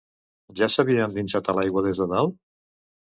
Ja s'havia endinsat a l'aigua des de dalt?